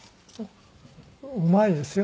うまいですよ。